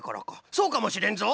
そうかもしれんぞ！